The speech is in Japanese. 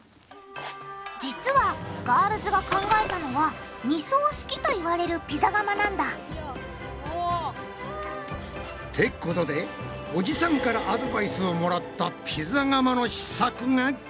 実はガールズが考えたのは「二層式」と言われるピザ窯なんだってことでおじさんからアドバイスをもらったピザ窯の試作がこれだ！